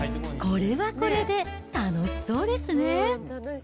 これはこれで楽しそうですね。